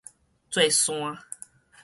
做山